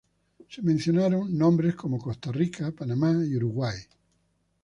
Se mencionaron nombres como Costa Rica, Panamá y Uruguay.